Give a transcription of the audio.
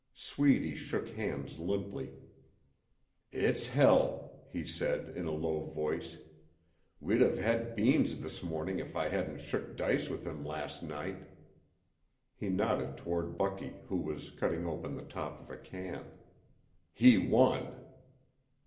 Sweedy shook hands limply. "It's hell," he said, in a low voice. "We'd have had beans this morning if I hadn't shook dice with him last night." He nodded toward Bucky, who was cutting open the top of a can. "He won!"